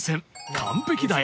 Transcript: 完璧だよ。